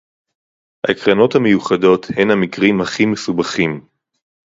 הקרנות המיוחדות הן המקרים הכי מסובכים